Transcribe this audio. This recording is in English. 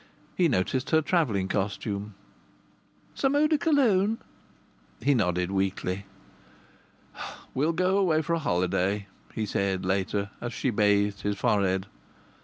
He noticed her travelling costume. "Some eau de Cologne?" He nodded weakly. "We'll go away for a holiday," he said, later, as she bathed his forehead.